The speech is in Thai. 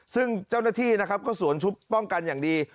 ซึ่งเจ้าหน้าที่นะครับก็สวมชุดป้องกันอย่างดี